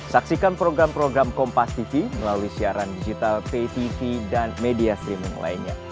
saksikan program program kompastv melalui siaran digital ptv dan media streaming lainnya